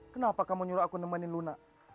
kenapa kamu nyuruh aku nemenin luna